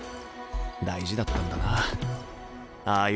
大事だったんだなあ